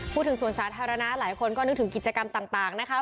พูดถึงสวนสาธารณะหลายคนก็นึกถึงกิจกรรมต่างนะคะ